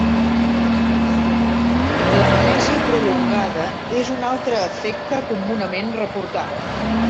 L'amnèsia prolongada és un altre efecte comunament reportat.